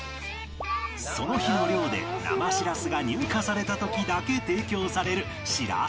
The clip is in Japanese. その日の漁で生しらすが入荷された時だけ提供されるしらす丼